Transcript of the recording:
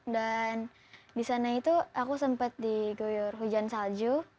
dan di sana itu aku sempat digoyor hujan salju